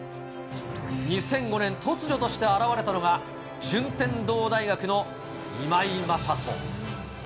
２００５年、突如として現れたのが順天堂大学の今井正人。